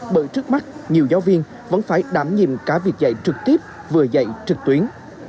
bởi trước mắt nhiều giáo viên vẫn phải đảm nhiệm cả việc dạy trực tiếp vừa dạy trực tuyến